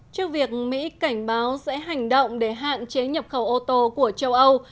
trước việc mỹ cảnh báo sẽ hành động để hạn chế nhập khẩu ô tô của châu âu